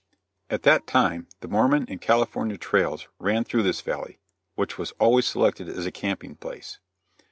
At that time the Mormon and California trails ran through this valley, which was always selected as a camping place.